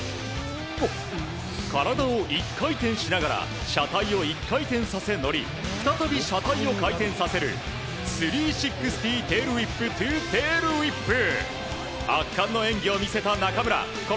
体を１回転しながら車体を１回転させ乗り再び車体を回転させる３６０テールウィップトゥテールウィップ。